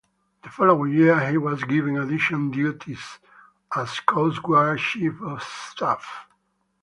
The following year, he was given addition duties as Coast Guard Chief of Staff.